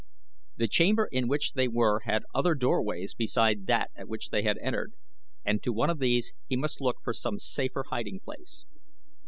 The chamber in which they were had other doorways beside that at which they had entered, and to one of these he must look for some safer hiding place.